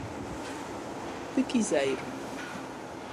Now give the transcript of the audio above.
Pequizeiro